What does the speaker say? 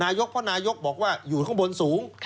นายกเพราะนายกบอกว่าอยู่ข้างบนสูง